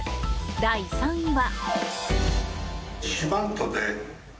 第３位は。